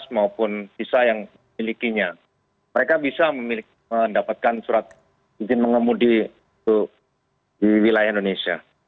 mereka bisa mendapatkan surat izin mengemudi di wilayah indonesia